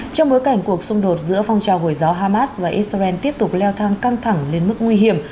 trong bối cảnh cuộc xung đột giữa phong trào hồi giáo hamas và israel tiếp tục leo thang căng thẳng lên mức nguy hiểm